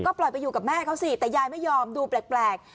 ปล่อยไปอยู่กับแม่เขาสิแต่ยายไม่ยอมดูแปลก